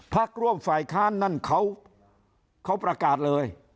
พักร่วมฝ่ายค้านนั่นเขาประกาศเลย